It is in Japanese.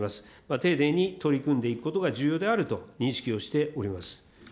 丁寧に取り組んでいくことが重要であると認識をしております。